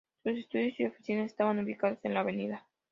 Sus estudios y oficinas estaban ubicados en la Av.